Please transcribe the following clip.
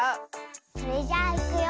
それじゃあいくよ。